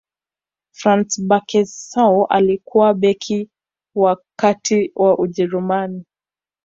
franz beckenbauer alikuwa beki wa kati wa ujerumani